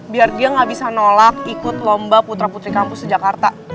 biar dia gak bisa nolak ikut lomba putra putri kampus di jakarta